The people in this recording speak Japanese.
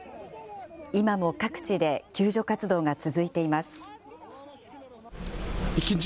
今も各地で救助活動が続いています。